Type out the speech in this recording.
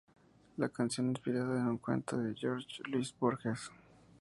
La canción está inspirada en un cuento de Jorge Luis Borges.